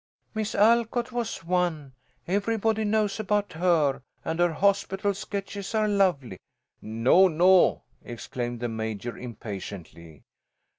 "Miss Alcott was one. Everybody knows about her, and her 'Hospital Sketches' are lovely." "No! no!" exclaimed the Major, impatiently.